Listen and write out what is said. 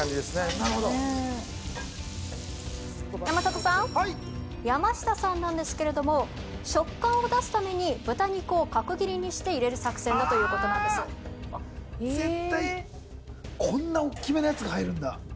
なるほど山里さんはい山下さんなんですけれども食感を出すために豚肉を角切りにして入れる作戦だということなんです絶対こんなおっきめのやつが入るんだ？